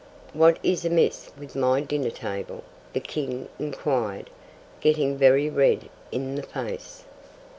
'What is amiss with my dinner table?' the King enquired, getting very red in the face.